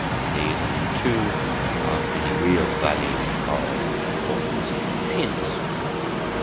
Of these, only two are of any real value or importance to the pianist.